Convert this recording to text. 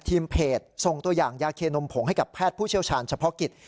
เพจส่งตัวอย่างยาเคนมผงให้กับแพทย์ผู้เชี่ยวชาญเฉพาะกิจ